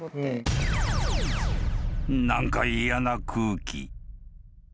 ［何か嫌な空気］